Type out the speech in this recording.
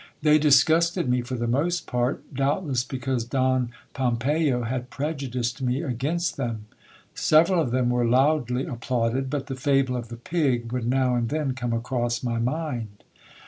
They disgusted me for the most part, doubtless because Don Pompeyo had prejudiced me against them. Several of them were loudly applauded, but the fable of the pig would now and then come across my mind.